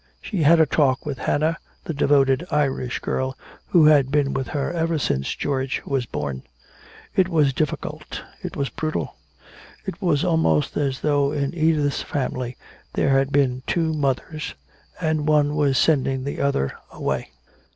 She had a talk with Hannah, the devoted Irish girl who had been with her ever since George was born. It was difficult, it was brutal. It was almost as though in Edith's family there had been two mothers, and one was sending the other away.